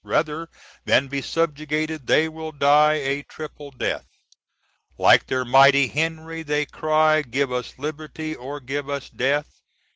Rather than be subjugated they will die a triple death. Like their mighty Henry they cry, "Give us liberty or give us _death!